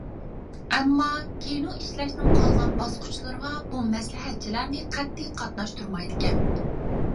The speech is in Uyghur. ئەمما كىنو ئىشلەشنىڭ قالغان باسقۇچلىرىغا بۇ مەسلىھەتچىلەرنى قەتئىي قاتناشتۇرمايدىكەن.